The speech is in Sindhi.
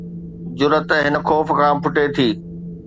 جرئت هن خوف کان ڦٽي ٿي.